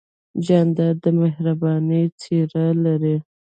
جانداد د مهربانۍ څېرہ لري.